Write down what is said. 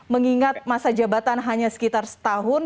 mengingat masa jabatan hanya sekitar setahun